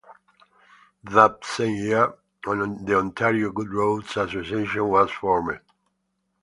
That same year, the Ontario Good Roads Association was formed.